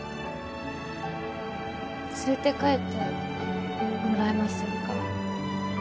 連れて帰ってもらえませんか？